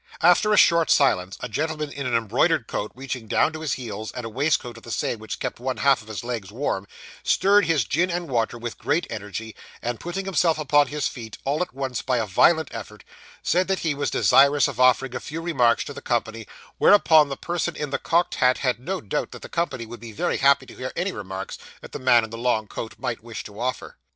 After a short silence, a gentleman in an embroidered coat reaching down to his heels, and a waistcoat of the same which kept one half of his legs warm, stirred his gin and water with great energy, and putting himself upon his feet, all at once by a violent effort, said he was desirous of offering a few remarks to the company, whereupon the person in the cocked hat had no doubt that the company would be very happy to hear any remarks that the man in the long coat might wish to offer.